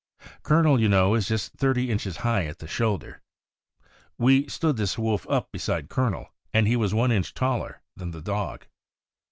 Colonel, you know, is just thirty inches high at the shoulder. We stood this wolf up beside Col onel, and he was one inch taller than the dog.